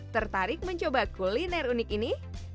tertarik mencoba kuliner unik ini